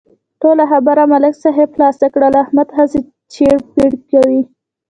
ټوله خبره ملک صاحب خلاصه کړله، احمد هسې چېړ پېړ کوي.